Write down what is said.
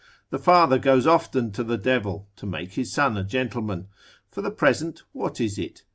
The father goes often to the devil, to make his son a gentleman. For the present, what is it?